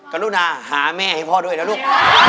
กรุณาหาแม่ให้พ่อด้วยนะลูก